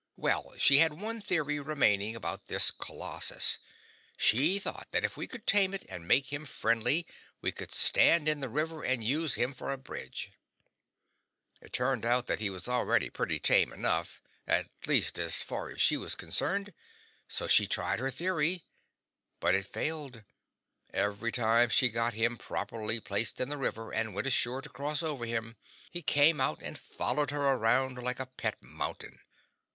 Well, she had one theory remaining about this colossus: she thought that if we could tame it and make him friendly we could stand in the river and use him for a bridge. It turned out that he was already plenty tame enough at least as far as she was concerned so she tried her theory, but it failed: every time she got him properly placed in the river and went ashore to cross over him, he came out and followed her around like a pet mountain.